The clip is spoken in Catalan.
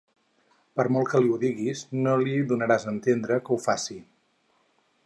Per molt que li ho diguis, no li donaràs entenent que ho faci!